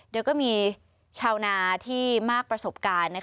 โดยก็มีชาวนาที่มากประสบการณ์